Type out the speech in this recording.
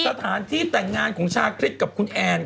สถานที่แต่งงานของชาคริสกับคุณแอน